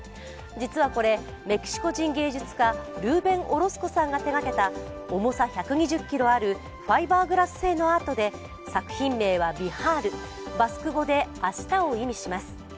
実はこれ、メキシコ人芸術家ルーベン・オロスコさんが手がけた重さ１２０ｋｇあるファイバーグラス製のアートで作品名は「ビハール」、バスク語で明日を意味します。